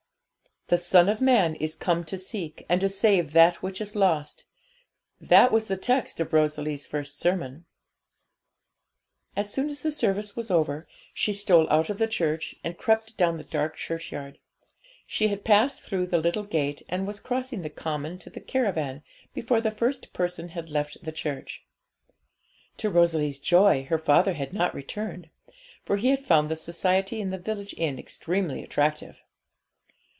'The Son of Man is come to seek and to save that which is lost.' That was the text of Rosalie's first sermon. As soon as the service was over, she stole out of the church, and crept down the dark churchyard. She had passed through the little gate and was crossing the common to the caravan before the first person had left the church. To Rosalie's joy, her father had not returned; for he had found the society in the village inn extremely attractive.